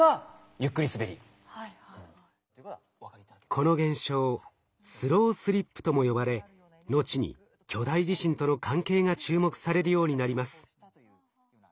この現象「スロースリップ」とも呼ばれ後に巨大地震との関係が注目されるようになります。